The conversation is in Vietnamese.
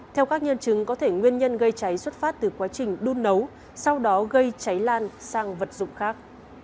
theo các nhân chứng có thể nguyên nhân gây cháy xuất phát từ quá trình đun nấu sau đó gây cháy lan sang vật dụng khác